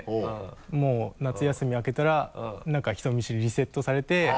もう夏休み明けたら何か人見知りリセットされて。